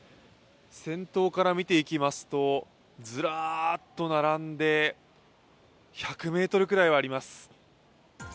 先頭から見ていきますとずらーっと並んで１００ｍくらいはあります。